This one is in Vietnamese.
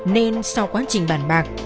nên sau quá trình bản bạc